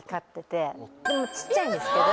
小っちゃいんですけど。